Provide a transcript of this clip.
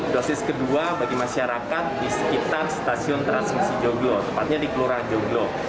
dosis kedua bagi masyarakat di sekitar stasiun transmisi joglo tepatnya di kelurahan joglo